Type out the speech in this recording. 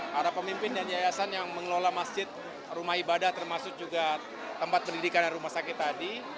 para pemimpin dan yayasan yang mengelola masjid rumah ibadah termasuk juga tempat pendidikan rumah sakit tadi